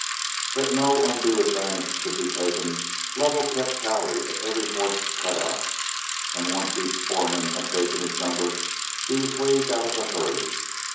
That no undue advantage should be taken, Lovell kept tally of every horse cut out, and once each foreman had taken his number, he was waved out of the herd.